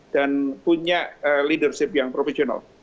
dan punya leadership yang profesional